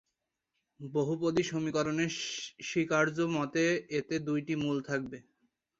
বহুপদী সমীকরণের স্বীকার্য মতে এতে দুইটি মূল থাকবে।